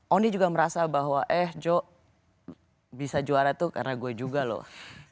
ondi juga merasa bahwa eh joe bisa juara tuh karena gue juga loh